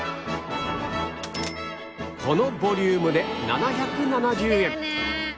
このボリュームで７７０円